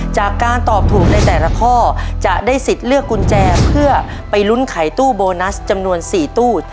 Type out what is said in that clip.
จากการตอบถูกในแต่ละข้อจะได้สิทธิ์เลือกกุญแจเพื่อไปลุ้นไขตู้โบนัสจำนวน๔ตู้